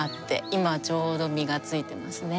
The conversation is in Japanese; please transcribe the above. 今ちょうど実がついてますね。